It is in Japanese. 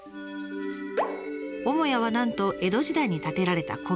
母屋はなんと江戸時代に建てられた古民家。